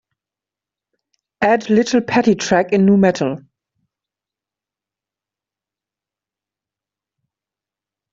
add little pattie track in Nu Metal